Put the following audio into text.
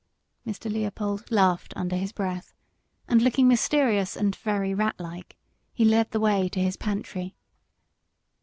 Mr. Leopold laughed under his breath, and looking mysterious and very rat like he led the way to his pantry.